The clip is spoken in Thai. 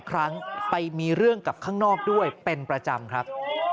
ข้างนอกด้วยเป็นประจำครับ